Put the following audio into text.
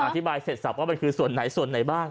อธิบายเสร็จสับว่ามันคือส่วนไหนส่วนไหนบ้าง